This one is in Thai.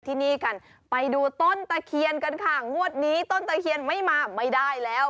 ที่นี่กันไปดูต้นตะเคียนกันค่ะงวดนี้ต้นตะเคียนไม่มาไม่ได้แล้ว